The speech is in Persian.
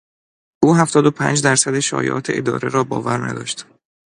او هفتاد و پنج درصد شایعات اداره را باور نداشت.